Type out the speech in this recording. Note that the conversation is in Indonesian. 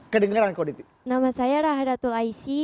kedengeran koditik nama saya rahadatul aisyi